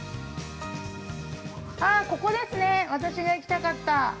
◆あ、ここです私が行きたかった。